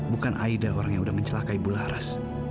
bukan aida orang yang udah mencelakai ibu laras